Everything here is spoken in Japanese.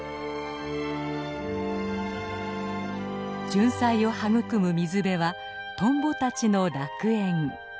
ジュンサイを育む水辺はトンボたちの楽園。